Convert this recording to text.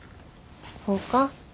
ほうか。